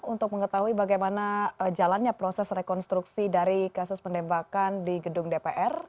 untuk mengetahui bagaimana jalannya proses rekonstruksi dari kasus penembakan di gedung dpr